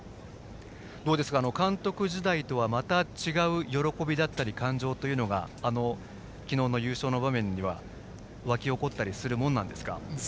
監督時代とはまた違う喜びだったり感情が昨日の優勝の場面には湧き起こったりしますか。